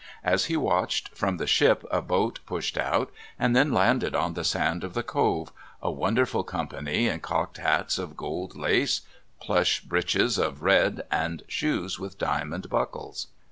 As he watched, from the ship a boat pushed out, and then landed on the sand of the Cove a wonderful company in cocked hats of gold lace, plush breeches of red, and shoes with diamond buckles.